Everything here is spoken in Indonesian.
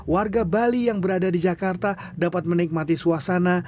warga bali yang berada di jakarta dapat menikmati suasana